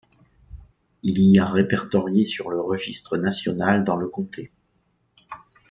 Il y a répertoriées sur le registre national dans le comté.